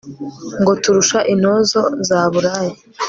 Ngo turusha intozo zaburaye